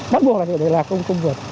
bắt buộc là không vượt